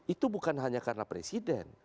itu bukan hanya karena presiden